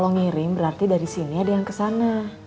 kalau ngirim berarti dari sini ada yang ke sana